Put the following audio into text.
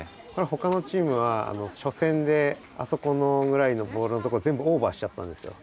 ほかのチームは初戦であそこのぐらいのボールのところ全部オーバーしちゃったんですよ。